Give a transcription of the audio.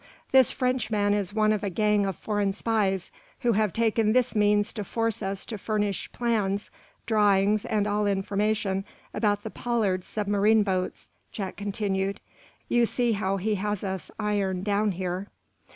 "This Frenchman is one of a gang of foreign spies, who have taken this means to force us to furnish plans, drawings and all information about the Pollard submarine boats," Jack continued. "You see how he has us ironed down here."